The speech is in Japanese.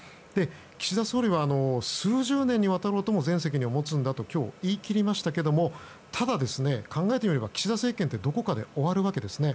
岸田総理は数十年にわたろうとも全責任を持つと言い切りましたがただ、考えてみれば岸田政権ってどこかで終わるわけですね。